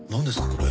これ。